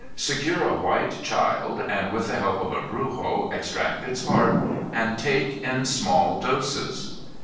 Secure a white child and with the help of a brujo extract its heart and take in small doses!!